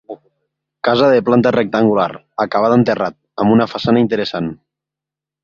Casa de planta rectangular, acabada en terrat, amb una façana interessant.